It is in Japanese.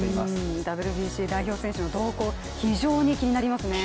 ＷＢＣ代表選手の動向、非常に気になりますね。